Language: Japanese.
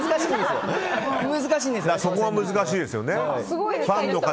そこが難しいですね。